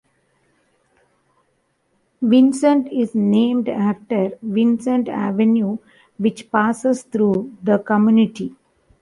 Vincent is named after Vincent Avenue which passes through the community.